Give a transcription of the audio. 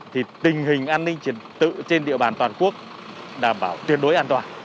thì tình hình an ninh trật tự trên địa bàn toàn quốc đảm bảo tuyệt đối an toàn